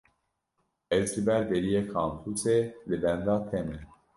Ez li ber deriyê kampusê li benda te me.